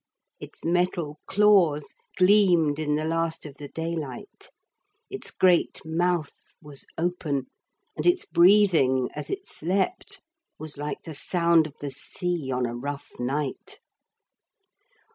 Its metal claws gleamed in the last of the daylight. Its great mouth was open, and its breathing, as it slept, was like the sound of the sea on a rough night.